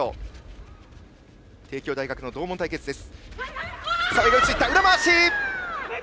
帝京大学の同門対決です。